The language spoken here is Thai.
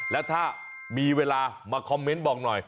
แล้วถ้ามีเวลามาคอมเมนต์บอกหน่อย